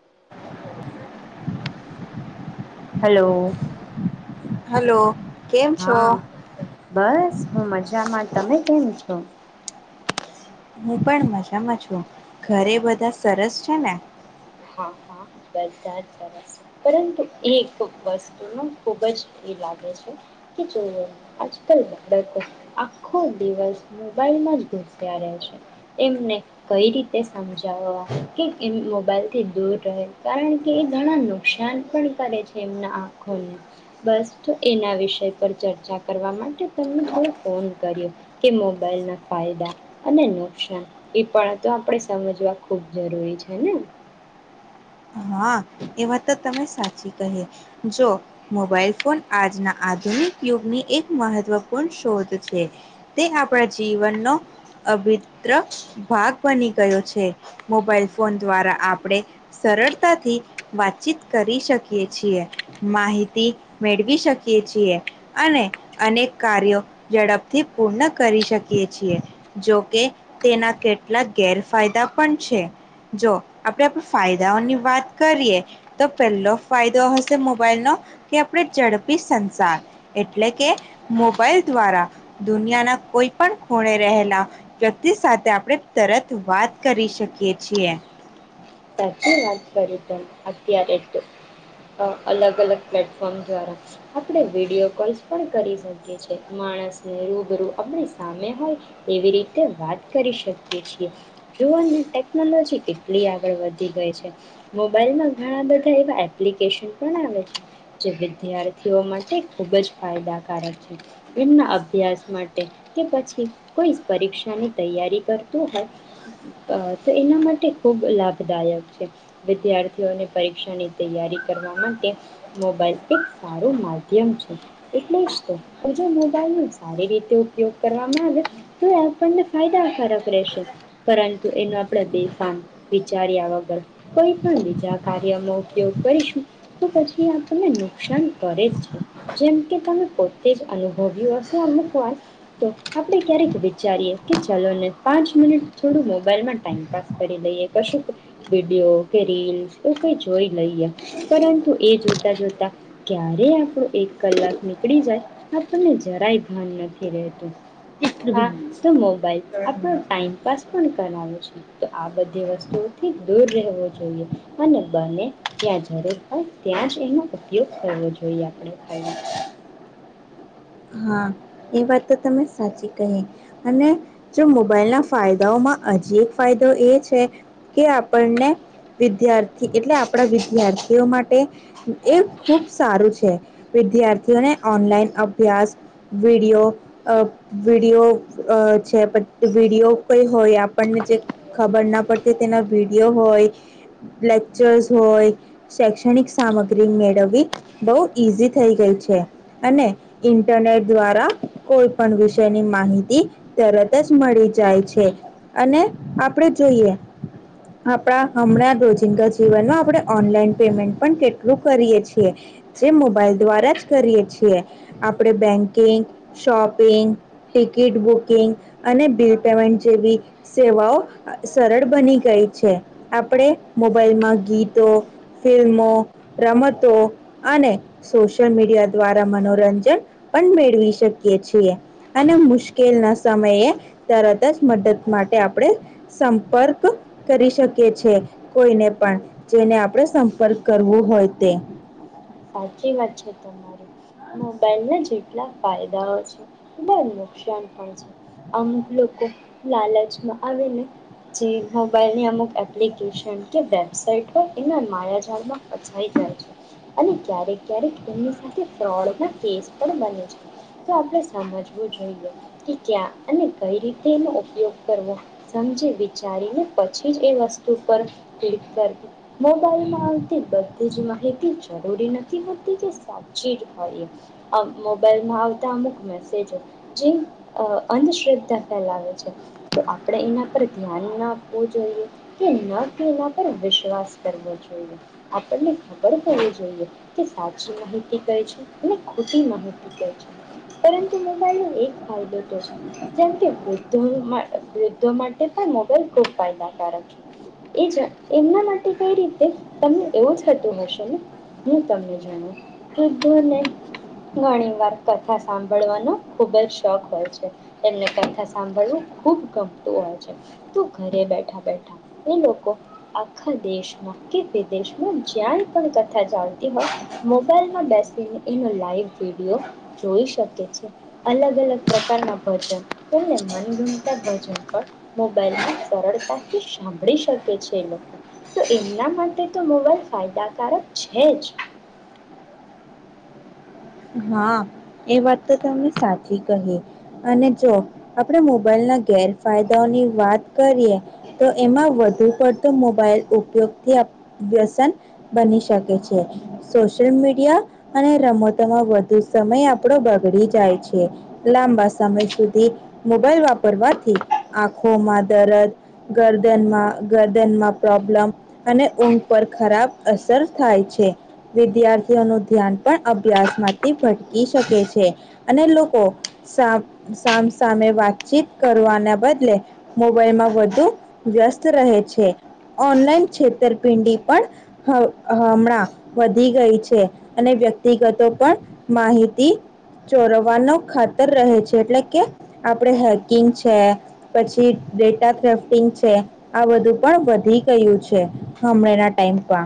[inaudible] Hello. Hello. કેમ છો હા, બસ હું મજામાં, તમે કેમ છો? હું પણ મજામાં છું. ઘરે બધા સરસ છે ને? હા, હા, બધા જ સરસ છે, પરંતુ એક વસ્તુ ન ખુબજ એ લાગે છે કે જો આજકાલ બાળકો આખો દિવસ મોબાઈલમાં જ ઘુસ્યા રહે છે એમને કઈ રીતે સમજાવવા કે એમ મોબાઈલ થી દૂર રહે, કારણકે એ ઘણા નુકસાન પણ કરે છે એમના આંખોને, બસ તો એના વિષય પર ચર્ચા કરવા માટે તમને થોડો ફોન કર્યો કે મોબાઈલ ના ફાયદા અને નુકસાન એ પણ તો આપણે સમજવા ખૂબ જરૂરી છે ને. હા, એ વાત તો તમે સાચી કહી. જો મોબાઈલ ફોન આજના આધુનિક યુગની એક મહત્વપૂર્ણ શોધ છે. તે આપણા જીવનનો અભિત્ર ભાગ બની ગયો છે. મોબાઈલ ફોન દ્વારા આપણે સરળ તા થી વાતચીત કરી શકીએ છીએ, માહિતી મેળવી શકીએ છીએ અને અનેક કાર્યો ઝડપથી પૂર્ણ કરી શકીએ છીએ. જોકે તેના કેટલાક ગેરફાયદા પણ છે. જો આપણે ફાયદાઓની વાત કરીએ તો પહેલો ફાયદો હશે મોબાઈલ નો કે આપણે ઝડપી સંસાર એટલે કે મોબાઈલ દ્વારા દુનિયાના કોઈ પણ ખૂણે રહેલા વ્યક્તિ સાથે આપણે તરત વાત કરી શકીએ છીએ. સાચી વાત કરી તો અત્યારે તો અલગ અલગ પ્લેટફોર્મ દ્વારા આપણે વિડીયો કોલ્સ પણ કરી શકીએ છે. માણસને રૂબરૂ આપણી સામે હોય એવી રીતે વાત કરી શકીએ છીએ. જોવાની ટેકનોલોજી કેટલી આગળ વધી ગઈ છે. મોબાઈલમાં ઘણા બધા એવા એપ્લિકેશન પણ આવે છે, જે વિદ્યાર્થીઓ માટે ખૂબ જ ફાયદાકારક છે. એમના અભ્યાસ માટે કે પછી કોઈ પરીક્ષાની તૈયારી કરતું હોય, તો એના માટે ખૂબ લાભ દાયક છે. વિદ્યાર્થીઓને પરીક્ષાની તૈયારી કરવા માટે મોબાઈલ એક સારું માધ્યમ છે, એટલેજ જો મોબાઈલ ન સારી રીતે ઉપયોગ કરવામાં આવે તો એ આપણને ફાયદાકારક રહેશે, પરંતુ એનો આપણે બેફામ વિચાર્યા વગર કોઈ પણ બીજા કાર્યમાં ઉપયોગ કરીશું, તો પછી આ તને નુકસાન કરેજ છે જેમ કે તમે પોતે જ અનુભવ્યું હશે અમુક હોય, તો આપણે ક્યારેક વિચારીએ કે ચલો ને પાંચ મિનિટ થોડું મોબાઈલમાં ટાઈમપાસ કરી લઈએ. કશું વિડીયો કે રીલસ એ કઈ જોઈ લઈએ, પરંતુ એ જોતા જોતા ક્યારેય આપડો એક કલાક નીકળી જાય આપણને જરાય ભાન નથી રહેતું. હા, તો મોબાઈલ. આપણો ટાઈમપાસ પણ કરાવે છે, તો આ બધી વસ્ તુ થી દૂર રહેવુ જોઈએ અને બને ત્યાં જરૂર હોાય ત્યાં જ એનો ઉપયોગ કરવો જોઈએ આપણે ખાલી હા એ વાત તો તમે સાચી કહી અને જો મોબાઈલના ફાયદાઓમાં અજી એક ફાયદો એ છે કે આપણને વિદ્યાર્થી એટલે આપણા વિદ્યાર્થીઓ માટે એ ખૂબ સારું છે, વિદ્યાર્થીઓને ઓનલાઈન અભ્યાસ વિડીયો અ વિડીયો અ છે પ વિડીયો કઈ હોય આપણને જે ખબર ના પડતી તેના વિડીયો હોય, લેક્ચર્સ હોય, શૈક્ષણિક સામગ્રી મેળવવી બહુ ઇઝી થઈ ગઈ છે અને ઇન્ટરનેટ દ્વારા કોઈ પણ વિષયની માહિતી તરત જ મળી જાય છે અને આપણે જોઈએ આપણા હમણાં રોજિંદા જીવનમાં આપણે ઓનલાઈન પેમેન્ટ પણ કેટલું કરીએ છીએ, જે મોબાઈલ દ્વારા જ કરીએ છીએ, આપણે બેંક કે શોપિંગ, ટિકિટ બુકિંગ અને બિલ પેમેન્ટ જેવી સેવાઓ સરળ બની ગઈ છે, આપણે મોબાઈલમાં ગીતો, ફિલ્મો, રમતો અને સોશિયલ મીડિયા દ્વારા મનોરંજન પણ મેળવી શકીએ છીએ અને મુશ્કેલના સમયે તરત જ મદદ માટે આપણે સંપર્ક કરી શકીએ છેએ, કોઈને પણ જેને આપણે સંપર્ક કરવું હોય તે. સાચી વાત છે તમારી, મોબાઈલના જેટલા ફાયદાઓ છે [unintelligible] નુકસાન પણ છે, અમુક લોકો લાલચમાં આવીને જે મોબાઈલની અમુક એપ્લિકેશન કે વેબસાઇટ હોય એના માયાઝાડમાં ફચાઈ જાય છે. અને ક્યારેક ક્યારેક એની સાથે ફ્રોડના કેસ પણ બને છે, તો આપણે સમજવું જોઈએ કે ક્યા અને કઈ રીતે એનો ઉપયોગ કરવો સમજી વિચારીને પછી જ એ વસ્તુ પર ક્લિક કરવુ, મોબાઈલમાં આવતી બધી જ માહિતી જરૂરી નથી હોતી કે સાચી જ હોય એ, મોબાઈલમાં આવતા અમુક મેસેજો જે અ અંધશ્રદ્ધા ફેલાવે છે, તો આપણે એના પર ધ્યાન ન આપવું જોઈએ કે ન કે એના પર વિશ્વાસ કરવો જોઈએ, આપણને ખબર પડી જોઈએ કે સાચી માહિતી કઈ છે અને ખોટી માહિતી કઈ છે, પરંતુ મોબાઈલનો એક ફાયદો તો છે જેમ કે વૃદ્ધોનુ મા વૃદ્ધો માટે પણ મોબાઈલ ખુબ ફાયદાકારક છે, એ એમના માટે કઈ રીતે તમને એવું થતું હશે ને. હું તમને જણાવુ વૃદ્ધોને ઘણી વાર કથા સાંભળવાનો ખુબ જ શોખ હોય છે, એમને કથા સાંભળવું ખૂબ ગમતું હોય છે, તો ઘરે બેઠા બેઠા એ લોકો આખા દેશમાં કે વિદેશમાં જ્યાંય પણાક કથા ચાલતી હોય, મોબાઈલમાં બેસીને એનો લાઈવ વિડીયો જોઈ શકે છે, અલગ અલગ પ્રકારના ભજન અને મનગમતા ભજન પણ મોબાઈલમાં સરળતાથી સાંભળી શકે છે એ લોકો, તો એમના માટે તો મોબાઈલ ફાયદાકારક છે જ. હા એ વાત તો તમને સાચી કહી અને જો આપડે મોબાઈલ ના ગેરફાયદાઓની વાત કરીએ તો એમાં વધુ પડતો મોબાઈલ ઉપયોગથી અ વ્યસન બની શકે છે, સોશયલ મીડિયા અને રમતોમાં વ ધુ સમય આપણો બગડી જાય છે, લાંબા સમય સુધી મોબાઈલ વાપરવાથી આંખોમાં દરદ, ગરદનમાં ગરદનમાં પ્રોબ્લમ અને ઊઘ પર ખરાબ અસર થાય છે, વિદ્યાર્થીઓનું ધ્યાન પણ અભ્યાસમાં થી ભટકી શકે છે અને લોકો સામ સામસામે વાતચીત કરવાના બદલે મોબાઈલમાં વધુ વ્યસ્ત રહે છે, ઓનલાઈન છેતરપિંડી પણ હ હમણાં વધી ગઈ છે અને વ્યક્તિગતો પણ માહિતી ચોરવાનો ખતર રહે છે એટલે કે આપણે હેકિંગ છે, પછી ડેટા થેફ્ટિંગ છે, આ બધું પણ વધી ગયું છે, હમણાના ટાઈમ પર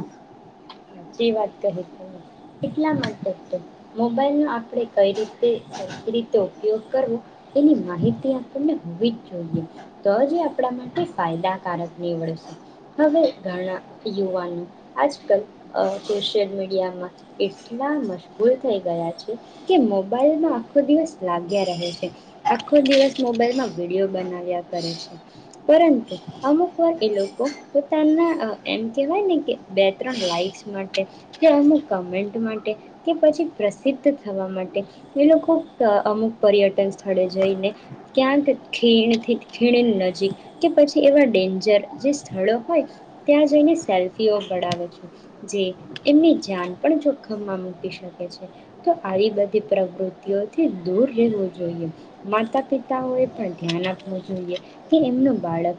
સાચી વાત કહી તમે એટલા માટે જ તો મોબાઈલનું આ આપણે કઈ રીતે સરખી રીતે ઉ પયોગ કરવો એની માહિતી આપણને હોવી જ જોઈએ, તો જ એ આપણા માટે ફાયદાકારક નીવડશે, હવે ઘણા યુવાનો આજકાલ અહ સોશિયલ મીડિયામાં. એટલા મશગૂલ થઈ ગયા છે કે મોબાઈલમાં આખો દિવસ લાગ્યા રહે છે. આખો દિવસ મોબાઈલમાં વિડીયો બનાવ્યા કરે છે. પરંતુ અમુક વાર એ લોકો પોતાના અહ એમ કેહેવાયને કે બે ત્રણ લઇક ક્સ માટે કે અમુક કમેન્ટ માટે કે પછી પ્રસિદ્ધ થવા માટે એ લોકો અહ અમુક પર્યટન સ્થળે જઈને ક્યાંક ખીણથી ખીણ નજીક કે પછી એવા ડેન્જર જે સ્થળો હોય ત્યાં જઈને સેલ્ફીઓ પડાવે છે. જે એમની જાન પણ જોખમમાં મૂકી શકે છે. તો આવી બધી પ્રવૃતિઓથી દૂર રહેવું જોઈએ. માતા પિતાઓ એ પણ ધ્યાન આપવું જોઈએ કે એમનું બાળક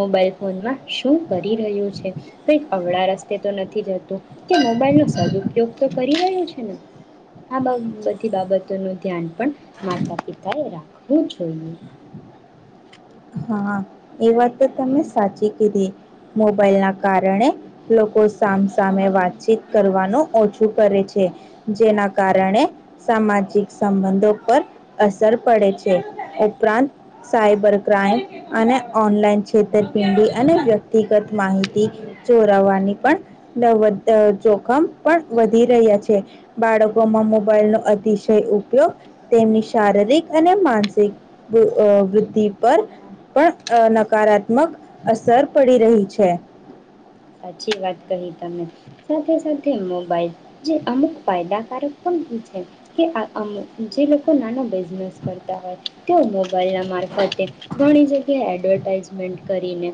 મોબાઈલ ફોનમાં શું કરી રહ્યું છે. કઈક અવળા રસ તે તો નથી જતું. કે મોબાઈલ નો સદુપયોગ તો કરી રહ્યું છે ને. આ બા-બધી બાબતોનું ધ્યાન પણ માતા પિતા એ રાખવું જોઈએ. હા એ વાત તો તમે સાચી કીધી. મોબાઈલના કારણે લોકો સામસામે વાતચીત કરવાનું ઓછું કરે છે. જેના કારણે સામાજિક સંબંધો પર અસર પડે છે. ઉપરાંત સાયબર ક્રાઈમ અને ઓનલાઈન છેતરપિંડી અને વ્યક્તિગત માહિતી ચોરાવાની પણ નવવદ અહ જોખમ પણ વધી રહ્યા છે. બાળકોમાં મોબાઈલનો અતિશય ઉપયોગ તેમની શારીરિક અને માનસિક વૃ-વૃદ્ધિ અહ પર પણ અહ નકારાત્મક અસર પડી રહી છે. સાચી વાત કહી તમે સાથે સાથે મોબાઈલ જે અમુક ફાયદાકારક પણ હું છે કે અહ અમુક જે લોકો નાના બે બિઝનેસ કરતા હોય તે મોબાઈલ ના મારફતે ઘણી જગ્યાએ એડવર્ટાઈઝમેન્ટ કરીને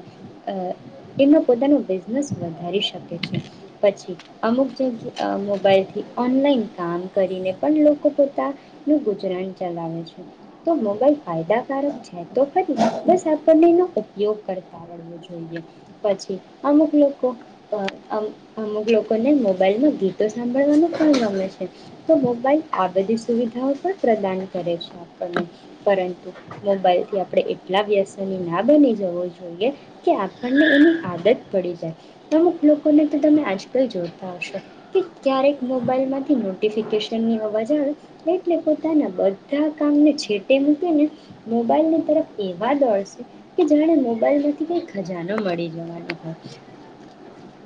અહ એમનો પોતાનું બિઝ નેસ વધારી શકે છે. પછી અમુક જગ્યા અહ મોબાઈલથી ઓનલાઈન કામ કરીને પણ લોકો પોતાનું ગુજરાન ચલાવે છે. તો મોબાઈલ ફાયદાકારક છે તો ખરી બસ આપણને એનો ઉપયોગ કરતા વળવો જોઈએ. પછી અમુક લોકો અહ અમ-અમુક લોકોને મોબાઈલમાં ગીતો સાંભળવાનું પણ ગમે છે. તો મોબાઈલ આ બધી સુવિધાઓ પણ પ્રદાન કરે છે આપણને. પરંતુ મોબાઈલથી આપણે એટલા વ્યસની ના બની જવું જોઈએ કે આપણને એની આદત પડી જાય. કે અમુક લોકોને તો તમે આજકાલ જોતા હશો કે ક્યારેક મોબાઈલમાંથી નોટિફિકેશનની અવાજ આવે એટલે પોતાના બધા કામને છેટે મૂકીને મોબાઈલની તરફ એવા દોડશે કે જાણે મોબાઈલમાંથી કંઈ ખજાનો મળી જવાનો હોય.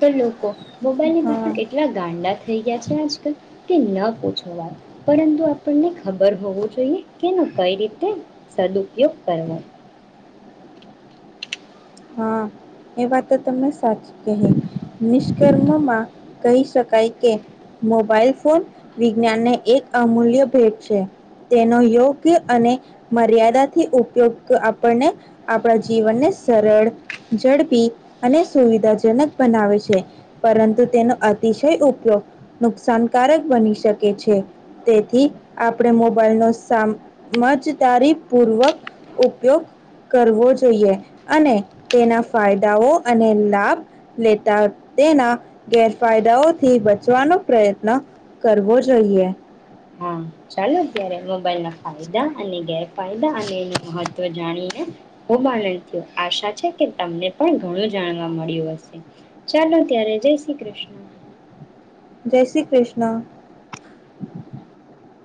તો લોકો મોબાઈલની હા પાછળ એટલા ગાંડા થઈ ગયા છે આજકાલ કે ન પૂછો વાત. પરંતુ આપણને ખબર હોવું જોઈએ કે એનો કઈ રીતે સદુપયોગ કરવો. હા એ વાત તમને સાચી કહી. નિષ્કર્મમાં કહી શકાય કે મોબાઈલ ફોન વિજ્ઞાનને એક અમૂલ્ય ભેટ છે. તેનો યોગ્ય અને મર્યાદાથી ઉપયોગ આપણને આપણા જીવનને સરળ ઝડપી અને સુવિધાજનક બનાવે છે. પરંતુ તેનો અતિશય ઉપયોગ નુકસાનકારક બની શકે છે. તેથી આપણે મોબાઈલ નો સામજદારી પૂર્વક ઉપયોગ કરવો જોઈએ અને તેના ફાયદાઓ અને લાભ લેતા તેના ગેરફાયદાઓથી બચવાનો પ્રયત્ન કરવો જોઈએ. હા ચાલો અયારે મોબાઈલ ના ફાયદા અને ગેર ફાયદા અને એનું મહત તો જાણી ને ખૂબ આનંદ થયો. આશા છે કે તમને પણ ઘણું જાણવા મળ્યું હશે. ચાલો ત્યારે જય શ્રી કૃષ્ણ. જય શ્રી કૃષ્ણ.